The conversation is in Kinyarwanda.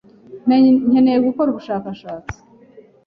Nkeneye gukora ubushakashatsi.